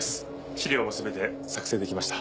資料もすべて作成できました。